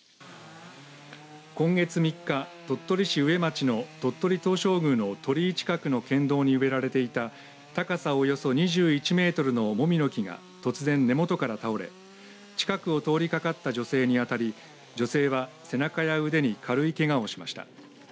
今月３日鳥取市上町の鳥取東照宮の鳥居近くの県道に植えられていた高さおよそ２１メートルのモミの木が突然根本から倒れ近くを通りかかった女性に当たり女性は背中や腕に軽いけがをしました。